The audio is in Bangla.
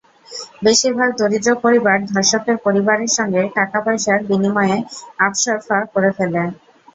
বেশির ভাগ দরিদ্র পরিবার ধর্ষকের পরিবারের সঙ্গে টাকাপয়সার বিনিময়ে আপসরফা করে ফেলে।